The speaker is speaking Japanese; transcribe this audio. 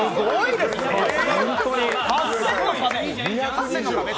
８０００の壁！